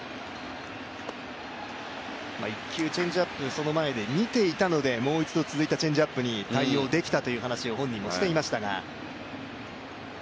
一球チェンジアップで前に見ていたのでもう一度続いたチェンジアップに対応できたと本人も話をしていましたが。